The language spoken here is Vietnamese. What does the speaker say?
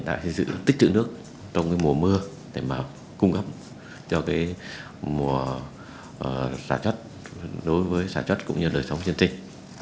đã xây dựng tích trữ nước trong mùa mưa để cung cấp cho mùa xả chất đối với xả chất cũng như đời sống nhân tinh